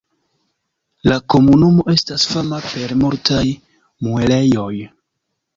La komunumo estas fama per multaj muelejoj.